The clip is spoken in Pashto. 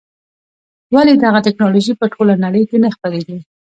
ولې دغه ټکنالوژي په ټوله نړۍ کې نه خپرېږي.